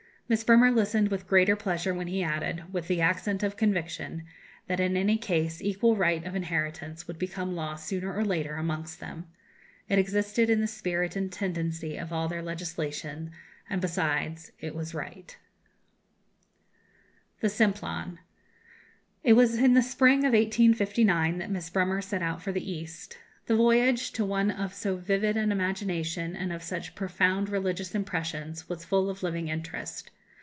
Miss Bremer listened with greater pleasure when he added, with the accent of conviction, that in any case equal right of inheritance would become law, sooner or later, amongst them. It existed in the spirit and tendency of all their legislation, and, besides, it was right. [Illustration: THE SIMPLON.] It was in the spring of 1859 that Miss Bremer set out for the East. The voyage, to one of so vivid an imagination and of such profound religious impressions, was full of living interest.